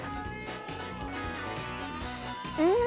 うん！